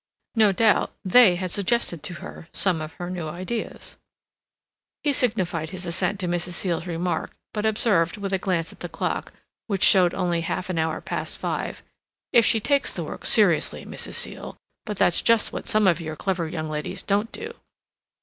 No doubt they had suggested to her some of her new ideas. He signified his assent to Mrs. Seal's remark, but observed, with a glance at the clock, which showed only half an hour past five: "If she takes the work seriously, Mrs. Seal—but that's just what some of your clever young ladies don't do."